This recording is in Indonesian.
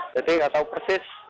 jadi nggak tahu persis